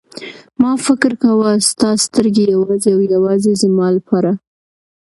ما فکر کاوه ستا سترګې یوازې او یوازې زما لپاره.